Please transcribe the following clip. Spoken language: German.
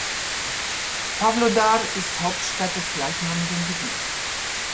Pawlodar ist Hauptstadt des gleichnamigen Gebiets.